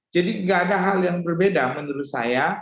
jadi tidak ada hal yang berbeda menurut saya